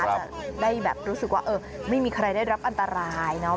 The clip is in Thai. จะได้แบบรู้สึกว่าเออไม่มีใครได้รับอันตรายเนาะ